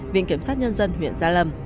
viện kiểm sát nhân dân huyện gia lâm